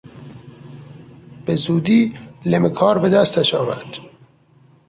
به زودی لم کار به دستش آمد.